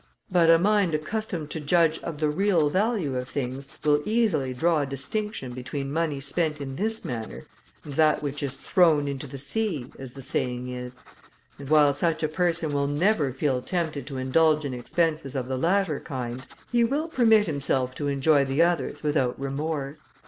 But a mind accustomed to judge of the real value of things, will easily draw a distinction between money spent in this manner, and that which is thrown into the sea, as the saying is; and while such a person will never feel tempted to indulge in expenses of the latter kind, he will permit himself to enjoy the others without remorse.